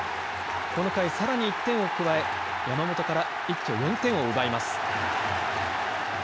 この回、さらに１点を加え山本から一挙４点を奪います。